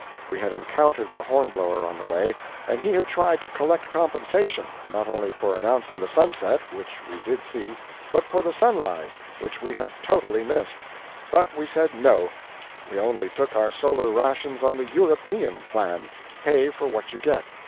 We had encountered the horn blower on the way, and he had tried to collect compensation, not only for announcing the sunset, which we did see, but for the sunrise, which we had totally missed; but we said no, we only took our solar rations on the "European plan" pay for what you get.